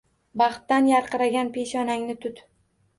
Baxtdan yarqiragan peshonangni tut